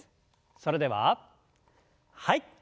それでははい。